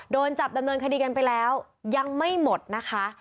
โดนจับดำเนินคดีกันไปแล้วยังไม่หมดนะคะ